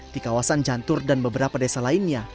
di kawasan jantur dan beberapa desa lainnya